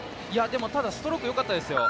ただ、ストロークよかったですよ。